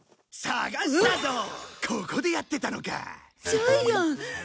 ジャイアン。